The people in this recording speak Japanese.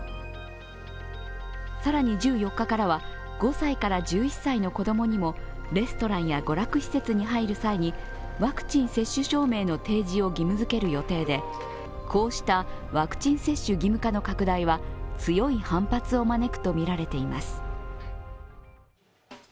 更に１４日からは、５歳から１１歳の子供にもレストランや娯楽施設に入る際にワクチン接種証明の提示を義務づける予定でこうしたワクチン接種義務化の拡大は強い反発を招くとみられています。